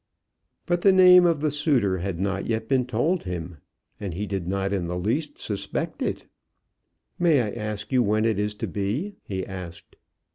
But the name of the suitor had not yet been told him, and he did not in the least suspect it. "May I ask you when it is to be?" he asked.